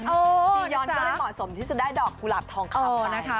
สีย้อนก็ได้เหมาะสมที่จะได้ดอกกุหลับทองคำไว้